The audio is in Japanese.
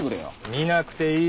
見なくていい。